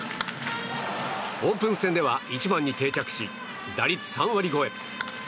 オープン戦では１番に定着し打率３割超え。